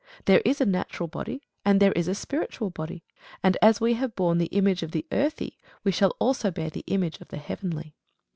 There is a natural body, and there is a spiritual body. And as we have borne the image of the earthy, we shall also bear the image of the heavenly.